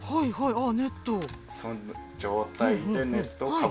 ああ！